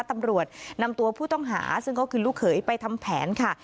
ตำรวจนำตัวผู้ต้องหาซึ่งก็คือลูกเขยไปทำแผนค่ะ